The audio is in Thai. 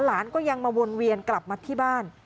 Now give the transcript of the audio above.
หลานก็ยังมาวนเวียนกลับมาที่บ้าน